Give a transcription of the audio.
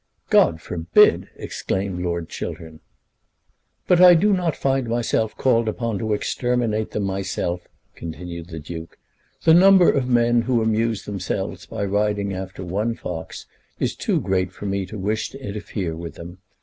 "God forbid!" exclaimed Lord Chiltern. "But I do not find myself called upon to exterminate them myself," continued the Duke. "The number of men who amuse themselves by riding after one fox is too great for me to wish to interfere with them.